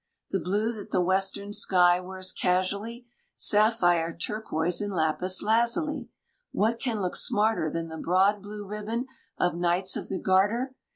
The blue that the western sky wears casually, Sapphire, turquoise, and lapis lazuli. What can look smarter Than the broad blue ribbon of Knights of the Garter?